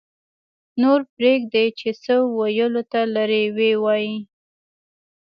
-نور پرېږدئ چې څه ویلو ته لري ویې وایي